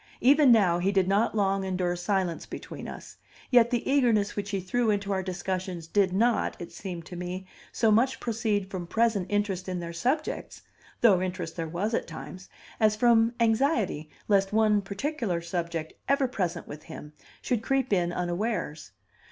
Even now, he did not long endure silence between us; yet the eagerness which he threw into our discussions did not, it seemed to me, so much proceed from present interest in their subjects (though interest there was at times) as from anxiety lest one particular subject, ever present with him, should creep in unawares.